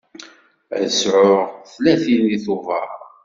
Ad sɛuɣ tlatin deg Tubeṛ.